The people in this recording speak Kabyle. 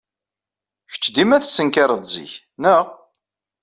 Kečč dima tettenkared zik, naɣ?